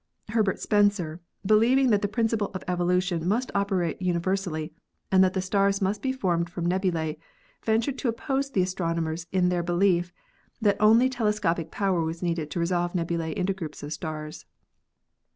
Herbert Spencer, believing that the principle of evolution must operate universally and that the stars must be formed from nebulae, ventured to oppose the astronomers in their belief that only telescopic power was needed to resolve nebulae into groups of stars.